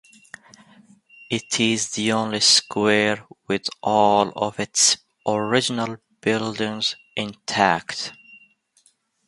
It is the only square with all of its original buildings intact.